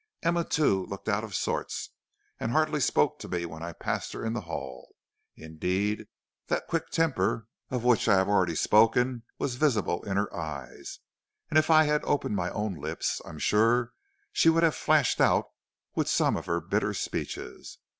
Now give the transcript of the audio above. Emma, too, looked out of sorts, and hardly spoke to me when I passed her in the hall. Indeed, that quick temper of which I have already spoken was visible in her eyes, and if I had opened my own lips I am sure she would have flashed out with some of her bitter speeches.